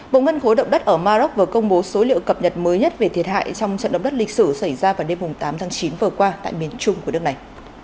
bộ ngân khối động đất ở maroc vừa công bố số liệu cập nhật mới nhất về thiệt hại trong trận động đất lịch sử xảy ra vào đêm tám tháng chín vừa qua tại miền trung của nước này